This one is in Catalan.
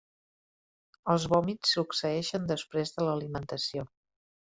Els vòmits succeeixen després de l'alimentació.